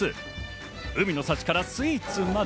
海の幸からスイーツまで。